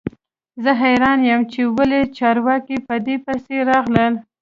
زه حیران یم چې ولې چارواکي په دې پسې راغلل